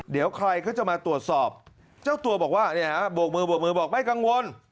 เดี๋ยวใครก็จะมาตรวจสอบเจ้าตัวบอกว่าบวกมือบอกไม่กังวล